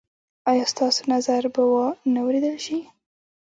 ایا ستاسو نظر به وا نه وریدل شي؟